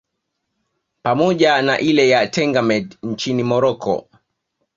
pamoja na ile ya Tanger Med nchini Morocco